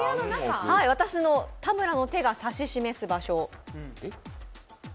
私の、田村の手が指し示す場所。